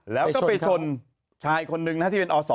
แล้วก็ไปชนชายคนหนึ่งที่เป็นอศ